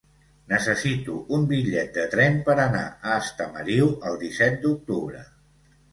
Necessito un bitllet de tren per anar a Estamariu el disset d'octubre.